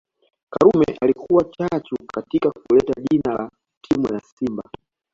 Karume alikuwa chachu katika kuleta jina la timu ya simba